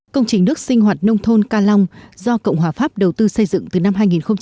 công trình nước sinh hoạt nông thôn ca long do cộng hòa pháp đầu tư xây dựng từ năm hai nghìn một mươi